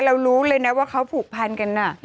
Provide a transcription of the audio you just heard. เรารู้เลยนะว่าเขาผูกพันกัน